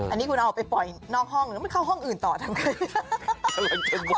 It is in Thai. อันนี้คุณเอาไปปล่อยนอกห้องแล้วมันเข้าห้องอื่นต่อทำไง